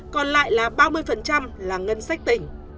còn lại là ba mươi là ngân sách tỉnh